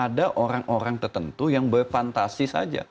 ada orang orang tertentu yang berfantasi saja